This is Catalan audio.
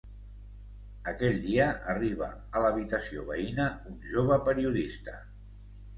Aquell dia arriba a l'habitació veïna un jove periodista.